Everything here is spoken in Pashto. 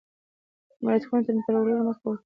عمليات خونې ته تر وړلو مخکې مې ورته وکتل.